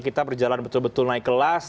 kita berjalan betul betul naik kelas